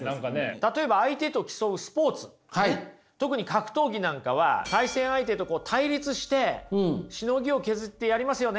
例えば相手と競うスポーツ特に格闘技なんかは対戦相手と対立してしのぎを削ってやりますよね？